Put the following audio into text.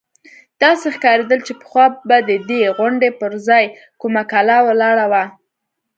داسې ښکارېدل چې پخوا به د دې غونډۍ پر ځاى کومه کلا ولاړه وه.